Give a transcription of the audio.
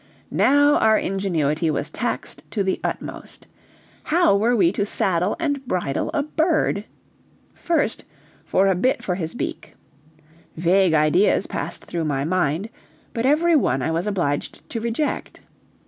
Now our ingenuity was taxed to the utmost. How were we to saddle and bridle a bird? First, for a bit for his beak. Vague ideas passed through my mind, but every one I was obliged to reject.